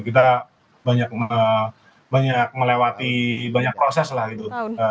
kita banyak melewati banyak proses lah gitu